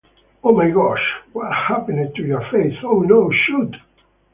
Oh my gosh, what happened to your face, oh no, shoot.